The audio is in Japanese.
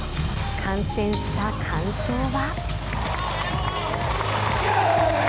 観戦した感想は。